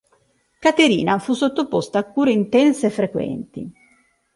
Caterina fu sottoposta a cure intense e frequenti.